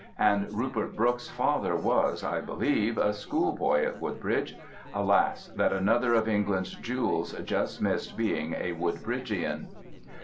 And Rupert Brooke's father was (I believe) a schoolboy at Woodbridge; alas that another of England's jewels just missed being a Woodbridgian!